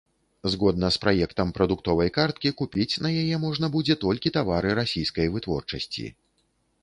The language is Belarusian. Згодна з праектам прадуктовай карткі, купіць на яе можна будзе толькі тавары расійскай вытворчасці.